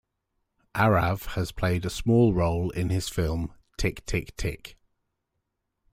Aarav has played a small role in his film, "Tik Tik Tik".